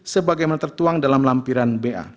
sebagai menertuang dalam lampiran